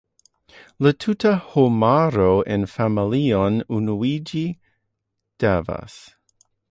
La tuta homaro en familion unuiĝi devas.